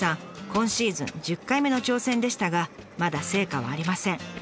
今シーズン１０回目の挑戦でしたがまだ成果はありません。